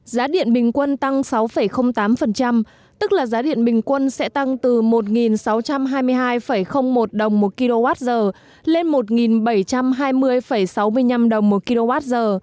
giá điện bình quân tăng sáu tám tức là giá điện bình quân sẽ tăng từ một sáu trăm hai mươi hai một đồng một kwh lên một bảy trăm hai mươi sáu mươi năm đồng một kwh